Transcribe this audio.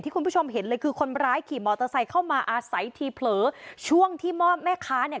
คุณผู้ชมเห็นเลยคือคนร้ายขี่มอเตอร์ไซค์เข้ามาอาศัยทีเผลอช่วงที่แม่ค้าเนี่ย